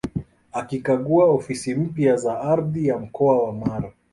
Akikagua ofisi mpya za Ardhi ya mkoa wa Mara